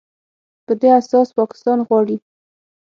په دې اساس پاکستان غواړي